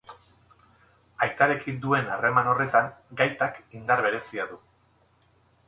Aitarekin duen harreman horretan, gaitak indar berezia du.